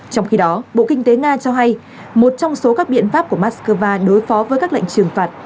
trong khi đó bộ kinh tế nga cho hay một trong số các biện pháp của moscow đối phó với các lệnh trừng phạt